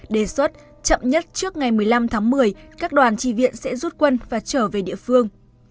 đề xuất chậm nhất trước ngày một mươi năm tháng một mươi các đoàn tri viện sẽ rút quân và trở về địa phương